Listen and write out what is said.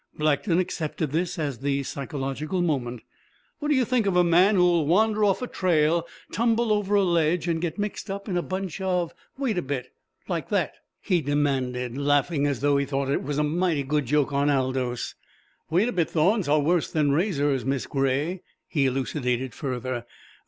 Blackton accepted this as the psychological moment. "What do you think of a man who'll wander off a trail, tumble over a ledge, and get mixed up in a bunch of wait a bit like that?" he demanded, laughing as though he thought it a mighty good joke on Aldous. "Wait a bit thorns are worse than razors, Miss Gray," he elucidated further.